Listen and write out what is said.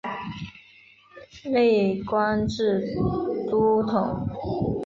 累官至都统。